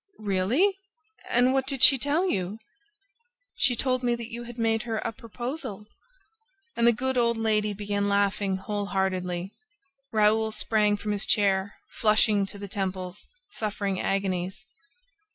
"Really? ... And what did she tell you?" "She told me that you had made her a proposal!" And the good old lady began laughing wholeheartedly. Raoul sprang from his chair, flushing to the temples, suffering agonies.